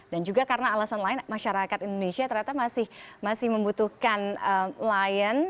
dan juga karena alasan lain masyarakat indonesia ternyata masih membutuhkan lion